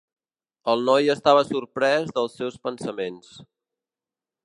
El noi estava sorprès dels seus pensaments.